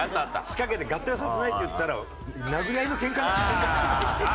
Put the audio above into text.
仕掛けて合体をさせないって言ったら殴り合いのケンカになった。